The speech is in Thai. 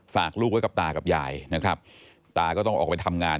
ฝากลูกไว้กับตากับยายนะครับตาก็ต้องออกไปทำงาน